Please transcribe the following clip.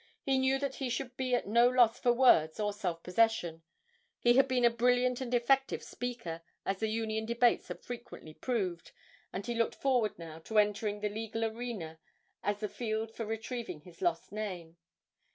He knew that he should be at no loss for words or self possession; he had been a brilliant and effective speaker, as the Union debates had frequently proved, and he looked forward now to entering the legal arena as the field for retrieving his lost name.